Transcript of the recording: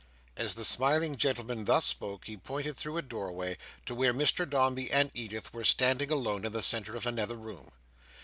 As the smiling gentleman thus spake, he pointed through a doorway to where Mr Dombey and Edith were standing alone in the centre of another room.